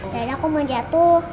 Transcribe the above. dada koma jatuh